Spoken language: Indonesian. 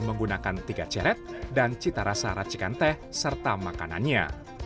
makan tiga ceret dan citarasa racikan teh serta makanannya